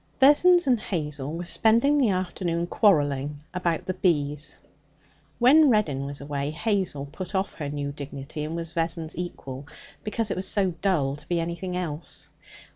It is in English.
Vessons and Hazel were spending the afternoon quarrelling about the bees. When Reddin was away, Hazel put off her new dignity and was Vessons' equal, because it was so dull to be anything else.